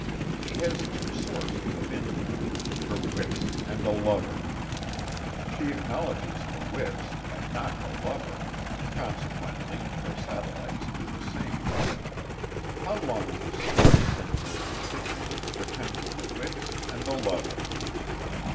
She has two sources of income her wits and a lover. She acknowledges the wits and not the lover; consequently her satellites do the same. How long this state of things will continue, depends on the wits and the lover."